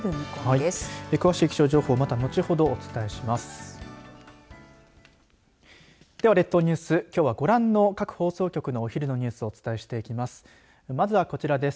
では列島ニュースきょうはご覧の各放送局のお昼のニュースをお伝えしていきます。